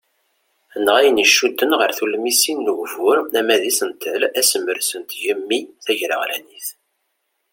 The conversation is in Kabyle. Neɣ ayen iccuden ɣer tulmisin n ugbur ama d isental, asemres n tgemmi ,tagreɣlanit.